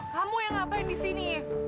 kamu yang ngapain di sini